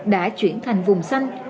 đã chuyển thành vùng xanh